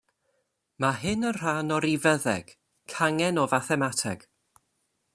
Mae hyn yn rhan o rifyddeg, cangen o fathemateg.